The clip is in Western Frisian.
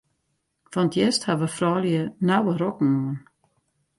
Fan 't hjerst hawwe froulju nauwe rokken oan.